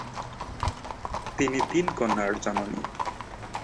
তিনি তিন কন্যার জননী।